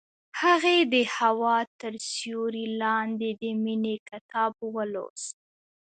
هغې د هوا تر سیوري لاندې د مینې کتاب ولوست.